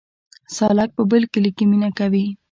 سالک په بل کلي کې مینه کوي